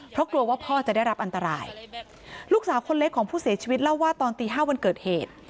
เพราะกลัวว่าพ่อจะได้รับอันตรายลูกสาวคนเล็กของผู้เสียชีวิตเล่าว่าตอนตีห้าวันเกิดเหตุ